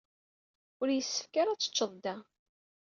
Ur yessefk ara ad teččeḍ da.